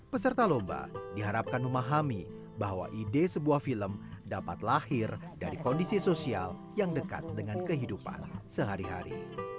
peserta lomba diharapkan memahami bahwa ide sebuah film dapat lahir dari kondisi sosial yang dekat dengan kehidupan sehari hari